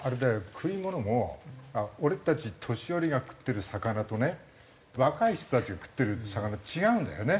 食い物も俺たち年寄りが食ってる魚とね若い人たちが食ってる魚違うんだよね。